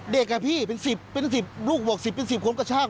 เด็กกับพี่เป็น๑๐ลูกบวก๑๐คนกระชาก